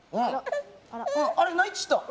あら、泣いちゃった。